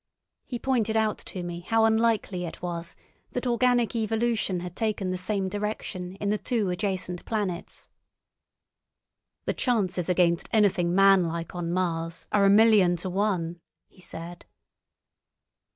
He pointed out to me how unlikely it was that organic evolution had taken the same direction in the two adjacent planets. "The chances against anything manlike on Mars are a million to one," he said.